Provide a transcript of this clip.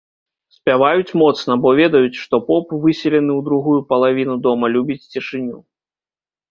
Спяваюць моцна, бо ведаюць, што поп, выселены ў другую палавіну дома, любіць цішыню.